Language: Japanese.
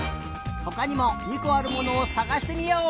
ほかにも２こあるものをさがしてみよう！